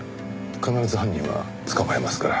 必ず犯人は捕まえますから。